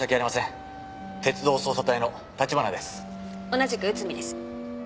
同じく内海です。